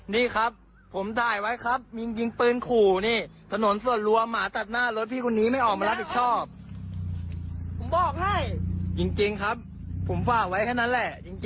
ไว้แค่นั้นแหละจริงจริงยิงปืนขู่ด้วยมันไม่ใช่มันไม่ใช่เรื่องตลกน่ะ